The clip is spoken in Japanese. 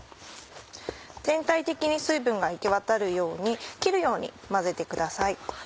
全体的に水分が行きわたるように切るように混ぜてください。